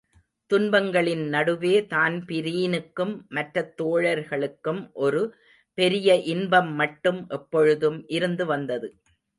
துன்பங்களின் நடுவே தான்பிரீனுக்கும் மற்றத் தோழர்களுக்கும் ஒரு பெரிய இன்பம் மட்டும் எப்பொழுதும் இருந்துவந்தது.